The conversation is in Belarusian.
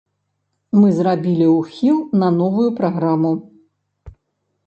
Мы зрабілі ўхіл на новую праграму.